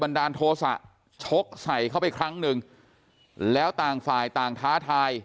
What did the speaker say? ดาลโทษะชกใส่เข้าไปครั้งหนึ่งแล้วต่างฝ่ายต่างท้าทาย